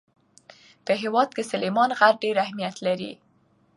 په هېواد کې سلیمان غر ډېر اهمیت لري.